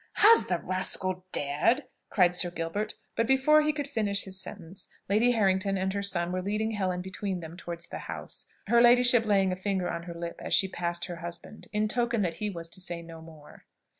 "Has the rascal dared " cried Sir Gilbert, but before he could finish his sentence, Lady Harrington and her son were leading Helen between them towards the house, her ladyship laying a finger on her lip as she passed her husband, in token that he was to say no more.